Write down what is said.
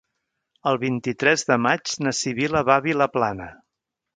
El vint-i-tres de maig na Sibil·la va a Vilaplana.